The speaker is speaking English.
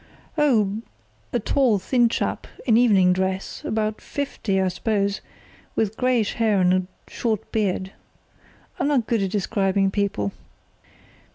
"Oh, a tall, thin chap, in evening dress; about fifty I suppose, with greyish hair and a short beard. I'm not good at describing people.